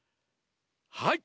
はい。